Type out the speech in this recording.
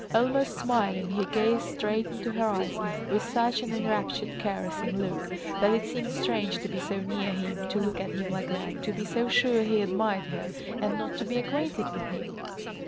Almost smiling, he gazed straight into her eyes with such an enraptured caressing look that it seemed strange to be so near him, to look at him like that, to be so sure he admired her, and not to be acquainted with him.